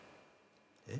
えっ？